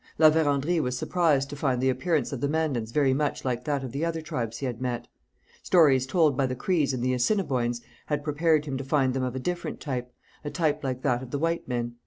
La Vérendrye was surprised to find the appearance of the Mandans very much like that of the other tribes he had met. Stories told by the Crees and the Assiniboines had prepared him to find them of a different type, a type like that of the white men.